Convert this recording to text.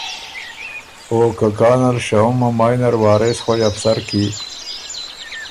او که کانل شهُمه مای نر وارث خوئ افسر کی